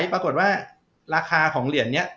ปรากฏว่าราคาของเหรียญนี้